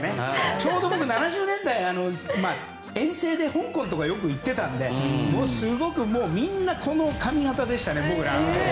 ちょうど僕、７０年代遠征で香港とかよく行っていたのでみんなこの髪形でしたね。